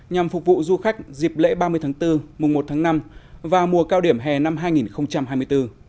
nhằm phục vụ du khách dịp lễ ba mươi tháng bốn mùa một tháng năm và mùa cao điểm hè năm hai nghìn hai mươi bốn